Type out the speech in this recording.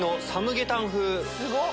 すごっ！